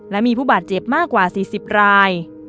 และมีผู้บาดเจ็บมากกว่า๔๐ราย